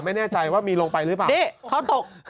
ไม่แน่ใจว่ามีลงไปหรือเปล่า